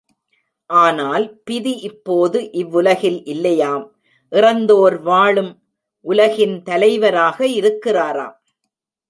ஆனால் பிதி இப்போது இவ்வுலகில் இல்லையாம், இறந்தோர் வாழும் உலகின் தலைவராக இருக்கிறாராம்.